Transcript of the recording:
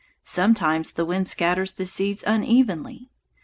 Sometimes the wind scatters the seeds unevenly.